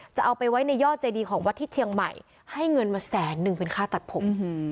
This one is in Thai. จะเอาไปไว้ในยอดเจดีของวัดที่เชียงใหม่ให้เงินมาแสนนึงเป็นค่าตัดผม